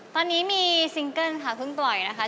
ตอนนี้มีซิงเกิ้ลค่ะเพิ่งปล่อยนะคะ